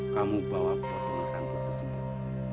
kamu bawa potong rambut tersebut